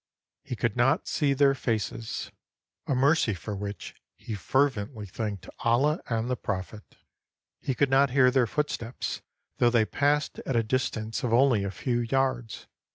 He could not see their faces 543 TURKEY (a mercy for which he fervently thanked Allah and the Prophet). He could not hear their footsteps, though they passed at a distance of only a few yards.